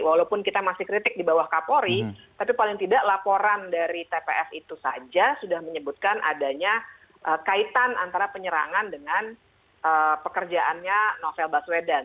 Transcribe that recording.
walaupun kita masih kritik di bawah kapolri tapi paling tidak laporan dari tps itu saja sudah menyebutkan adanya kaitan antara penyerangan dengan pekerjaannya novel baswedan